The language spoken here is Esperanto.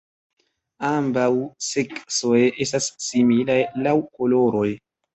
Ambaŭ seksoj estas similaj laŭ koloroj.